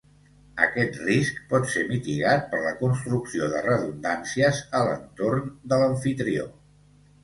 Aquest risc pot ser mitigat per la construcció de redundàncies a l'entorn de l'amfitrió.